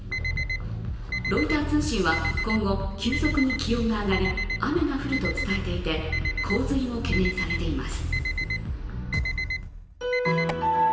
ロイター通信は今後、急速に気温が上がり雨が降ると伝えていて洪水も懸念されています。